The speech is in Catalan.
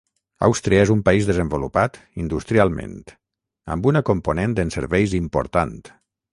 Àustria és un país desenvolupat industrialment amb una component en serveis important.